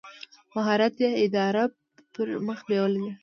مهارت یې اداره پر مخ بېولې ده.